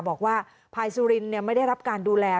บอกว่าภายสุรินไม่ได้รับการดูแล